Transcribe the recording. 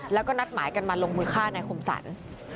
แล้วก็นัดหมายกันมาลงมือฆ่านายคมสรร